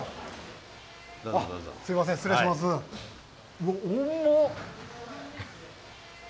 うわ重っ！